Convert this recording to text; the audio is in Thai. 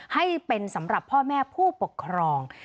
ให้เป็นสำหรับพ่อแม่ผู้ปกครอง